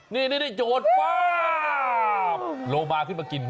นี่โยนว้าวโรงบาร์ขึ้นมากิน